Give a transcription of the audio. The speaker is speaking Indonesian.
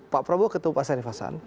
pak prabowo ketemu pak sari fasan